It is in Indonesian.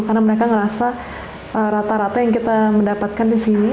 karena mereka merasa rata rata yang kita mendapatkan disini